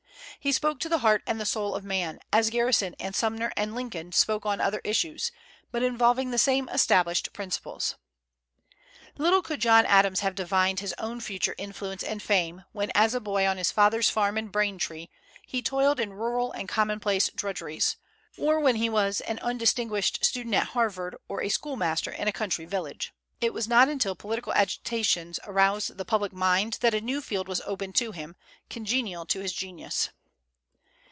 He spoke to the heart and the soul of man, as Garrison and Sumner and Lincoln spoke on other issues, but involving the same established principles. Little could John Adams have divined his own future influence and fame when, as a boy on his father's farm in Braintree, he toiled in rural and commonplace drudgeries, or when he was an undistinguished student at Harvard or a schoolmaster in a country village. It was not until political agitations aroused the public mind that a new field was open to him, congenial to his genius.